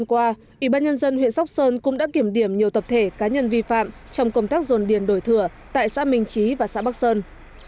ủy ban nhân dân huyện sóc sơn còn chỉ đạo ủy ban nhân dân xã minh phú xử lý rứt điểm vi phạm trật tự xây dựng